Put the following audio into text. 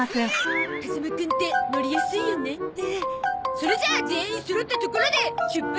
それじゃあ全員そろったところで出発